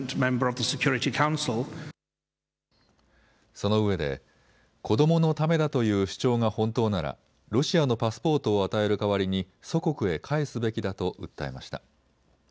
そのうえで子どものためだという主張が本当ならロシアのパスポートを与える代わりに祖国へ帰すべきだと訴えました。